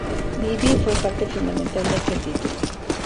Bibby fue parte fundamental de aquel título.